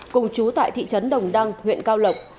cùng chú tại thị trấn đồng đăng huyện cao lộc